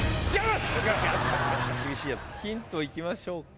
ヒント行きましょうか。